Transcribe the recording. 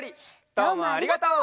どうもありがとう！